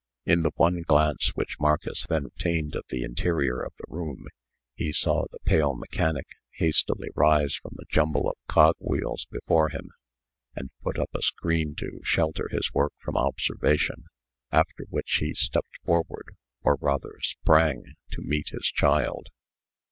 In the one glance which Marcus then obtained of the interior of the room, he saw the pale mechanic hastily rise from a jumble of cog wheels before him, and put up a screen to shelter his work from observation, after which he stepped forward, or rather sprang, to meet his child.